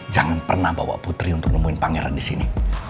jangan pernah bawa putri untuk nemuin pangeran di sini